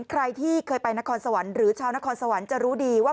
ใครที่เคยไปนครสวรรค์หรือชาวนครสวรรค์จะรู้ดีว่า